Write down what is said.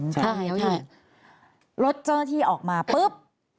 ใช่รถเจ้าหน้าที่ออกมาปุ๊บ